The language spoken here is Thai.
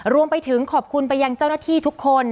รวมไปถึงขอบคุณไปยังเจ้าหน้าที่ทุกคน